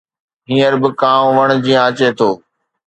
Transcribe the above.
هينئر به ڪانءُ وڻ جيان اچي ٿو